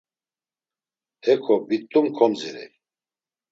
Heko bit̆t̆um kogzirey.